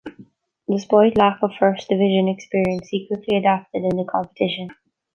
Despite lack of first division experience, he quickly adapted in the competition.